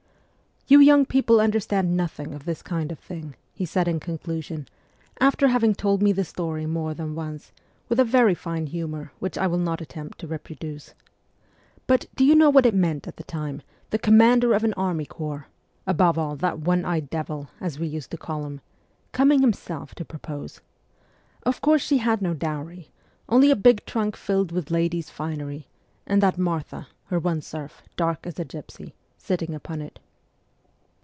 ' You young people understand nothing of this kind of thing,' he said in conclusion, after having told me the story more than once, with a very fine humour which I will not attempt to reproduce. ' But do you know what it meant at that time, the commander of an army corps above all, that one eyed devil, as we used to call him coming himself to propose? Of course she had no dowry ; only a big trunk filled with ladies' finery, and that Martha, her one serf, dark as a gypsy, sitting upon it.'